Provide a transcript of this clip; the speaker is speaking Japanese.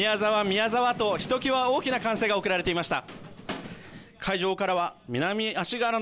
宮澤！とひときわ大きな声援が送られていました。